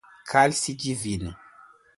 Cálice divino